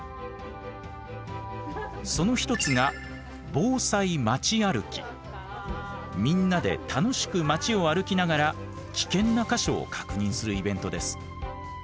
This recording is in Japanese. その一つがみんなで楽しく町を歩きながら危険な箇所を確認するイベントです。